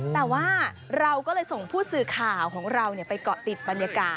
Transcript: แต่ว่าเราก็เลยส่งผู้สื่อข่าวของเราไปเกาะติดบรรยากาศ